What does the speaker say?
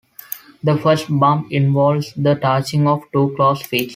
The fist bump involves the touching of two closed fists.